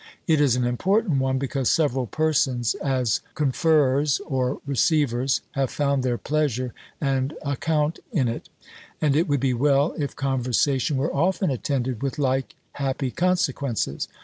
It is an important one, because several persons, as conferers or receivers, have found their pleasure and account in it; and it would be well, if conversation were often attended with like happy consequences.